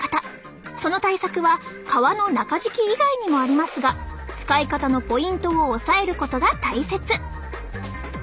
その対策は革の中敷き以外にもありますが使い方のポイントを押さえることが大切！